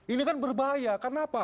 ini kan berbahaya karena apa